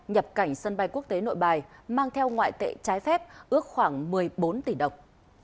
nhập cảnh sân bay quốc tế nội bài mang theo ngoại tệ trái phép ước khoảng một mươi bốn tỷ đồng